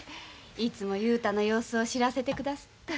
いつも雄太の様子を知らせてくだすって。